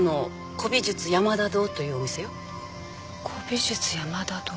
古美術山田堂。